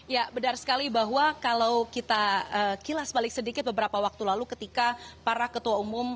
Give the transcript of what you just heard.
ya benar sekali bahwa kalau kita kilas balik sedikit beberapa waktu lalu ketika para ketua umum